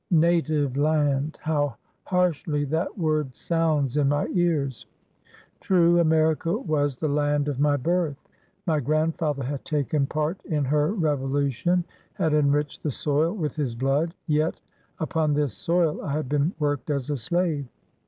Native land ! How harsh ly that word sounds in my ears ! True, xVmerica was the land of my birth ; my grandfather had taken part in her Revolution, had enriched the soil with his blood, yet upon this soil I had been worked as a slave.